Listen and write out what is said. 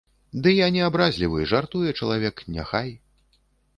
Ды я не абразлівы, жартуе чалавек, няхай.